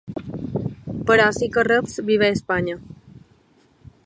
Però sí que reps ‘viva Espanya’.